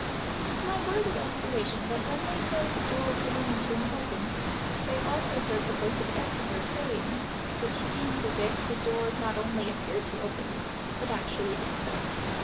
It is worthy of observation, that when they heard the door of the women's room open, they also heard the voice of Eslinger praying, which seems as if the door not only appeared to open, but actually did so.